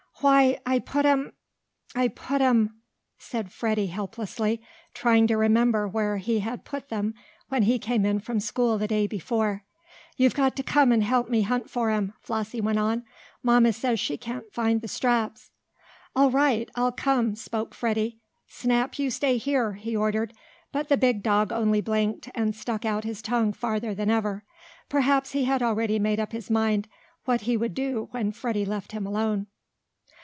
"Why, I put 'em I put 'em " said Freddie helplessly, trying to remember where he had put them, when he came in from school the day before. "You've got to come and help me hunt for 'em!" Flossie went on. "Mamma says she can't find the straps." "All right. I'll come," spoke Freddie. "Snap, you stay here!" he ordered, but the big dog only blinked, and stuck out his tongue farther than ever. Perhaps he had already made up his mind what he would do when Freddie let him alone.